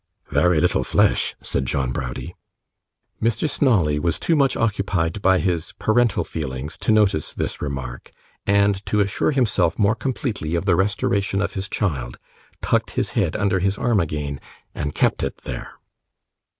'Vary little flesh,' said John Browdie. Mr. Snawley was too much occupied by his parental feelings to notice this remark; and, to assure himself more completely of the restoration of his child, tucked his head under his arm again, and kept it there.